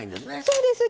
そうです